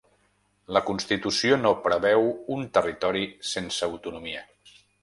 La constitució no preveu un territori sense autonomia.